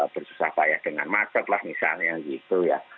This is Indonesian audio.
bersusah banyak dengan maset lah misalnya gitu ya